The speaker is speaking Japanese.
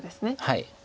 はい。